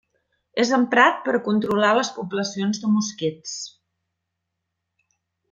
És emprat per a controlar les poblacions de mosquits.